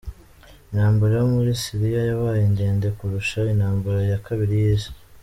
Intambara yo muri Syria yabaye ndende kurusha intambara ya kabiri y'isi.